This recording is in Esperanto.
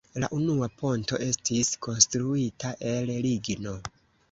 La unua ponto estis konstruita el ligno.